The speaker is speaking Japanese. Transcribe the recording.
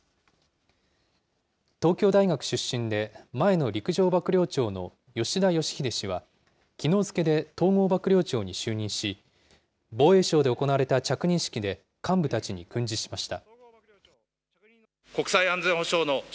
東京大学出身で前の陸上幕僚長の吉田圭秀氏は、きのう付けで、統合幕僚長に就任し、防衛省で行われた着任式で幹部たちに訓示しました。